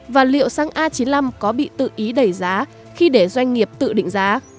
và liệu xăng a chín mươi năm có bị tự ý đẩy giá khi để doanh nghiệp tự định giá